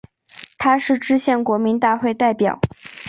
他是制宪国民大会代表。